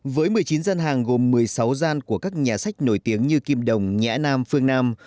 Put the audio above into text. với một mươi chín dân hàng gồm một mươi sáu gian của các nhà sách nổi tiếng như kim đồng nhã nam phương nam